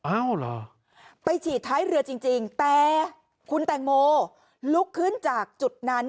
เหรอไปฉีดท้ายเรือจริงแต่คุณแตงโมลุกขึ้นจากจุดนั้น